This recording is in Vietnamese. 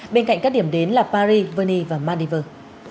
bên cạnh các điểm đến là paris vernier và maldives